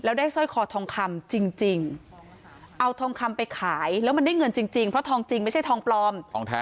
แล้วได้สร้อยคอทองคำจริงเอาทองคำไปขายแล้วมันได้เงินจริงเพราะทองจริงไม่ใช่ทองปลอม